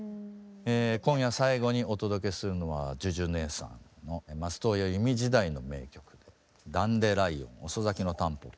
今夜最後にお届けするのはＪＵＪＵねえさんの松任谷由実時代の名曲で「ダンデライオン遅咲きのたんぽぽ」。